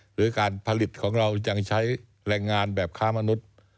หรือการผลิตของเรายังใช้แรงงานแบบค้ามนุษย์